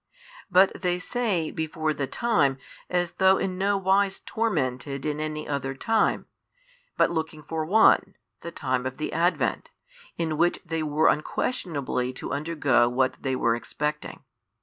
But they say before the time, as though in no wise tormented in any other time, but looking for one, the time of the Advent, in which they were unquestionably to undergo what they are expecting.